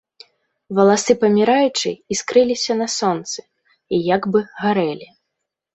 Валасы паміраючай іскрыліся на сонцы і як бы гарэлі.